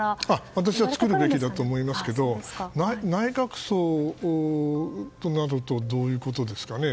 私は作るべきだと思いますけど内閣葬となるとどういうことですかね。